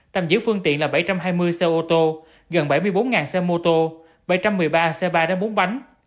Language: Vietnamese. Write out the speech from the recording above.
tạm giữ phương tiện là bảy trăm hai mươi xe ô tô gần bảy mươi bốn xe mô tô bảy trăm một mươi ba xe ba bốn bánh